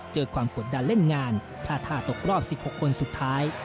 เจอความกดดันเล่นงานพลาดท่าตกรอบ๑๖คนสุดท้าย